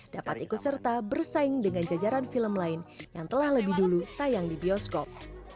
dapat ikut serta bersaing dengan jajaran film lain yang telah lebih dulu tayang di bioskop